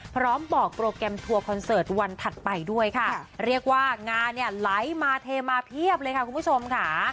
พร้อมบอกโปรแกรมทัวร์คอนเสิร์ตวันถัดไปด้วยค่ะเรียกว่างานเนี่ยไหลมาเทมาเพียบเลยค่ะคุณผู้ชมค่ะ